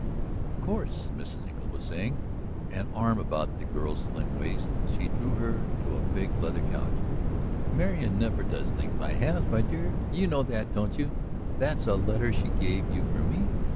"Of course," Mrs. Engle was saying. An arm about the girl's slim waist, she drew her to a big leather couch. "Marian never does things by halves, my dear; you know that, don't you? That's a letter she gave you for me?